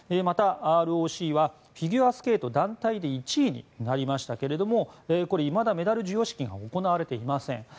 また、ＲＯＣはフィギュアスケート団体で１位になりましたけれどもいまだメダル授与式が行われていません。